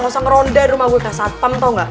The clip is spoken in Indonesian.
gak usah ngeronda di rumah gue kayak sapem tau gak